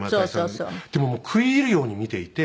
でも食い入るように見ていて。